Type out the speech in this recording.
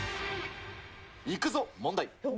いくぞ、問題。